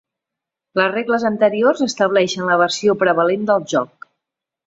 Les regles anteriors estableixen la versió prevalent del joc.